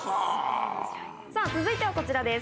続いてはこちらです。